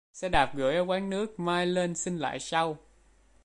Xe đạp gửi ở quán nước Mai lên xin lại sau